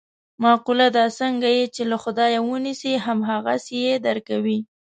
مقوله ده: څنګه یې چې له خدایه و نیسې هم هغسې یې در کوي.